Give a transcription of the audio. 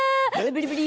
ブリブリ！